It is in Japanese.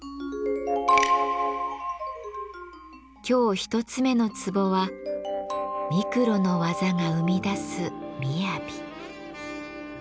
今日１つ目の壺は「ミクロの技が生み出す雅」。